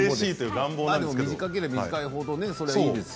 短ければ短いほどいいですね。